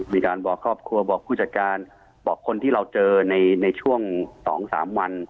มีการบอกครอบครัวบอกผู้จัดการบอกคนที่เราเจอในช่วง๒๓วัน